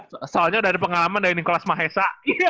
soalnya udah ada pengalaman dari nicholas mahesa